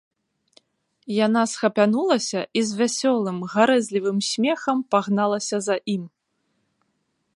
Яна схапянулася і з вясёлым, гарэзлівым смехам пагналася за ім.